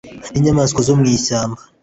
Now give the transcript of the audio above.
n’inyamanswa zo mu ishyamba